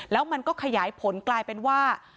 แล้วมันก็ขยายผลกลายเป็นว่า